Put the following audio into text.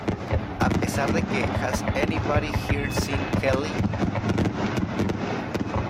A pesar de que "Has anybody here seen Kelly?